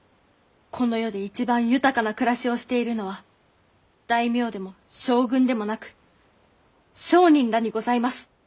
この世で一番豊かな暮らしをしているのは大名でも将軍でもなく商人らにございます。